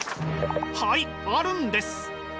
はいあるんです！